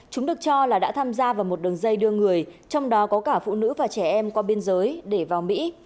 chúng được cho là đã tham gia vào một đường dây đưa người trong đó có cả phụ nữ và trẻ em qua biên giới để vào mỹ